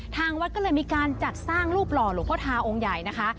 ทางวัดก็เลยมีการจัดสร้างรูปหล่อหลวงพ่อทาองค์ใหญ่นะคะ